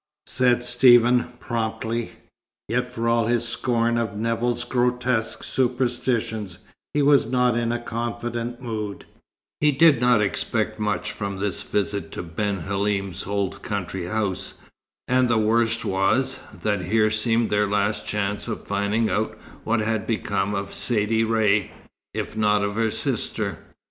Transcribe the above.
said Stephen, promptly. Yet for all his scorn of Nevill's grotesque superstitions, he was not in a confident mood. He did not expect much good from this visit to Ben Halim's old country house. And the worst was, that here seemed their last chance of finding out what had become of Saidee Ray, if not of her sister.